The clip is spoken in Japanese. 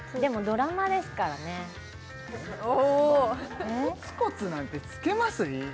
ドラマですからねおコツコツなんてつけます？